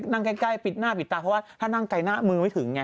นั่งใกล้ปิดหน้าปิดตาเพราะว่าถ้านั่งไกลหน้ามือไม่ถึงไง